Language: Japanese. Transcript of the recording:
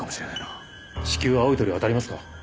至急青い鳥をあたりますか。